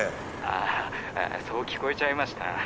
あそう聞こえちゃいました？